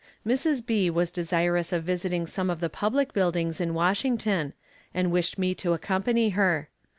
Mrs. B. was desirous of visiting some of the public buildings in Washington and wished me to accompany her.